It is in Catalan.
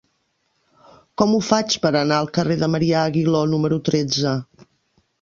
Com ho faig per anar al carrer de Marià Aguiló número tretze?